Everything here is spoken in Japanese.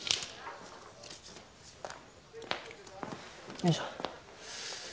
よいしょ